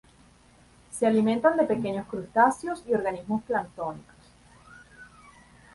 Se alimentan de pequeños crustáceos y organismos planctónicos.